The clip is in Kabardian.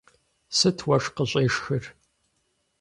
Сыт уэшх къыщӀешхыр?